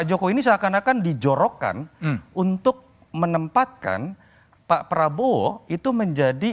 pak jokowi ini seakan akan dijorokkan untuk menempatkan pak prabowo itu menjadi